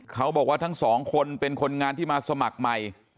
เขาบอกว่าทั้งสองคนเป็นคนงานที่มาสมัครใหม่